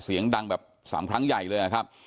เสียงดังแบบ๓ครั้งใหญ่เลยนะครับ